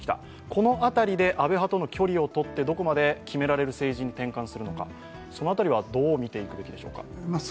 この辺りで、安倍派との距離をとってどこまで決められる政治に転換できるかその辺りはどう見ていくべきでしょうか？